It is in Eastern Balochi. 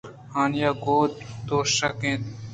ھانی گوک ءَ دوشَگ ءَ اِنت